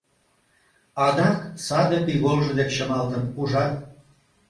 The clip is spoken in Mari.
Адак саде пиголжо дек чымалтын, ужат?